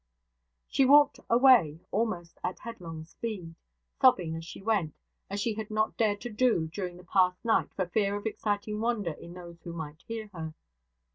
She walked a way almost at headlong speed; sobbing as she went, as she had not dared to do during the past night for fear of exciting wonder in those who might hear her.